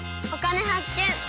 「お金発見」。